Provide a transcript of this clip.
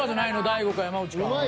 大悟か山内か。